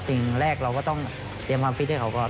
สิ่งแรกเราก็ต้องเตรียมความฟิตให้เขาก่อน